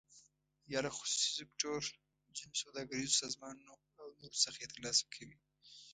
یا له خصوصي سکتور، ځینو سوداګریزو سازمانونو او نورو څخه یې تر لاسه کوي.